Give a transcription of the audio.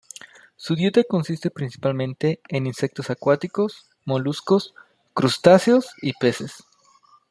Su dieta consiste principalmente en insectos acuáticos, moluscos, crustáceos y peces.